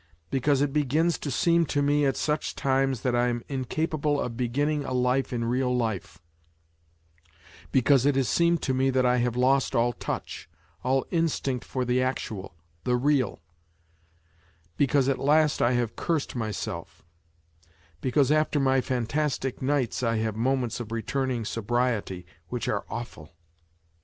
... Because it begins to seem to me at such times that I am incapable of beginning a life in real life, because it has seemed to me that I Jia_yjsJfistj^tojich i all instinct for the_actual, the real ; because at last I have cursed myselff be cause after ^y~fantastie nights 1 have moments of returning sobriety, which are awful